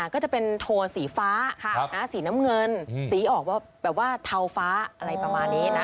ก็จะเป็นโทสีฟ้าสีน้ำเงินสีออกแบบว่าเทาฟ้าอะไรประมาณนี้นะ